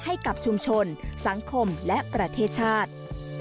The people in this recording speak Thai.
ให้กับชุมชนสังคมและประเทศชาติ